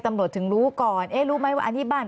ตำรวจถึงรู้ก่อน